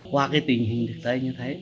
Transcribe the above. qua cái tình hình thực tế như thế